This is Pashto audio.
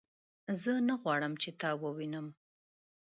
زه نه غواړم چې تا ووینم